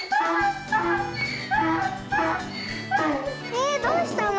えどうしたの？